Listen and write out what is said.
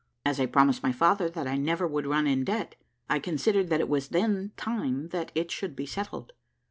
As I promised my father that I never would run in debt, I considered that it was then time that it should be settled.